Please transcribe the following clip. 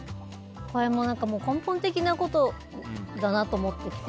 これも根本的なことだなと思ってきて。